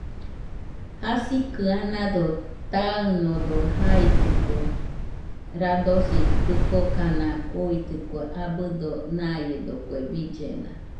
Jasikɨ anado taɨnodo jaitɨkue , radosi dɨkokana uuitɨkue abɨdo naiedo kue billena